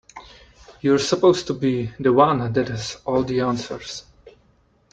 You're supposed to be the one that has all the answers.